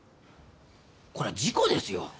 これ事故ですよ。